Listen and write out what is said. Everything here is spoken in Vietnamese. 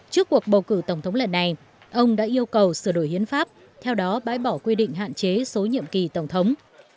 trước cuộc bầu cử tổng thống lần này ông đã yêu cầu sửa đổi hiến pháp theo đó bãi bỏ quy định hạn chế số nhiệm kỳ tổng thống